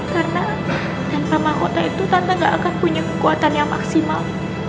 karena tante mahkota itu tante gak akan punya kekuatan yang maksimal